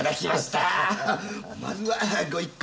まずはご一献。